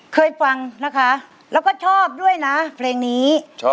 เคยฟังนะคะแล้วก็ชอบด้วยนะเพลงนี้